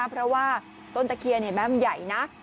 เพราะว่าต้นตะเคียนเห็นไหมมันใหญ่นะ